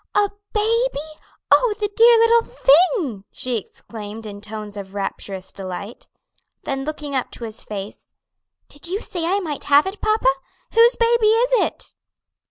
"A baby! Oh, the dear little thing!" she exclaimed in tones of rapturous delight. Then looking up into his face, "Did you say I might have it, papa? whose baby is it?"